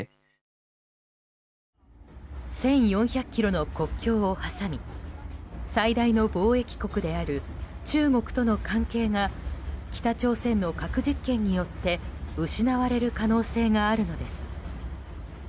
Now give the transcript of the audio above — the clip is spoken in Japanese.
１４００ｋｍの国境を挟み最大の貿易国である中国との関係が北朝鮮の核実験によって失われる可能性があるのです。